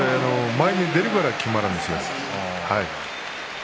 前に出るからきまるんですよ。